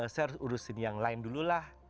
saya harus urusin yang lain dulu lah